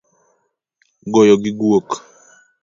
Goyo gi guok